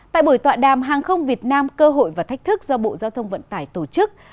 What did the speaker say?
tại buổi tọa đàm hàng không việt nam cơ hội và thách thức do bộ giao thông vận tải tổ chức